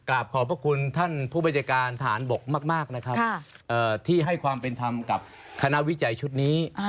อาจารย์ค่ะขอปิดท้ายประมาณไม่เกิน๑นาที